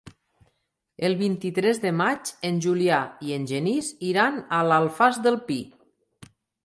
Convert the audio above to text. El vint-i-tres de maig en Julià i en Genís iran a l'Alfàs del Pi.